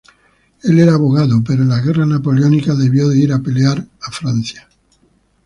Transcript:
Él era abogado pero en las guerras napoleónicas debió ir a pelear a Francia.